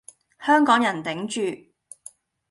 香港人頂住